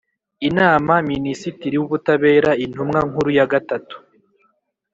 inama Minisitiri w Ubutabera Intumwa Nkuru ya gatatu